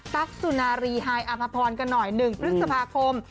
สุนารีไฮอภพรกันหน่อย๑พฤษภาคม